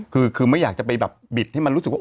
คือไม่อยากจะไปแบบบิดให้มันรู้สึกว่า